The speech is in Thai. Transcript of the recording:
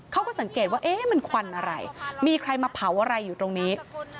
เขาก็สังเกตว่าเอ๊ะมันควันอะไรมีใครมาเผาอะไรอยู่ตรงนี้